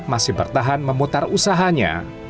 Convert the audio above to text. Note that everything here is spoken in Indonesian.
masih bertahan memutar usahanya